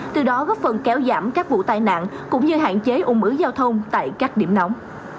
từ đó góp phần kéo giảm các vụ tai nạn cũng như hạn chế ung ứ giao thông tại các điểm nóng